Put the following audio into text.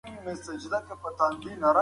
هغه به زما څنګ کې وي.